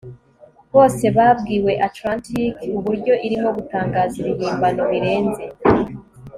Bose babwiwe Atlantike ubu irimo gutangaza ibihimbano birenze